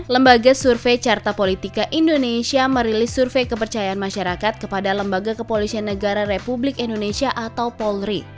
lembaga survei carta politika indonesia merilis survei kepercayaan masyarakat kepada lembaga kepolisian negara republik indonesia atau polri